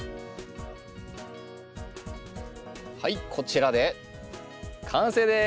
はいこちらで完成です。